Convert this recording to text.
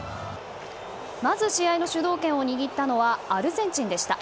まず試合の主導権を握ったのはアルゼンチンでした。